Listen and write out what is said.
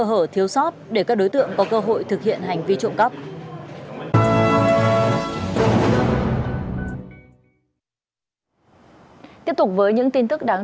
hở thiếu sót để các đối tượng có cơ hội thực hiện hành vi trộm cắp tiếp tục với những tin tức đáng